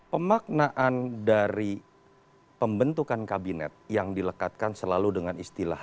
pemaknaan dari pembentukan kabinet yang dilekatkan selalu dengan istilah